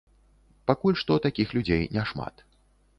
Пакуль што такіх людзей няшмат.